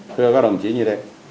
thưa các đồng chí như thế